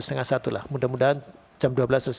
setengah satu lah mudah mudahan jam dua belas selesai